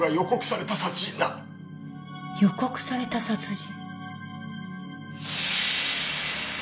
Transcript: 予告された殺人？